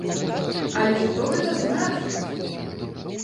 Але што гэта значыць?